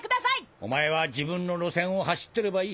お前は自分の路線を走ってればいい。